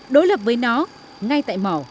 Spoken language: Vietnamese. đối lập với nó ngay tại mỏ